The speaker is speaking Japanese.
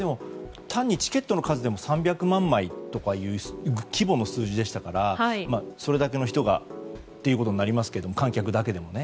単にチケットの数でも３００万枚という規模の数字でしたからそれだけの人がということになりますが観客だけでもね。